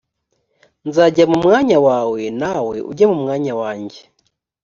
nzajya mu mwanya wawe nawe ujye mu mwanya wanjye